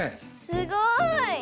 すごい。